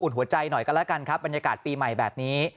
หัวใจหน่อยกันแล้วกันครับบรรยากาศปีใหม่แบบนี้